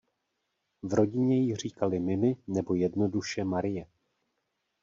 V rodině jí říkali Mimi nebo jednoduše Marie.